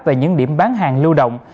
về những điểm bán hàng lưu động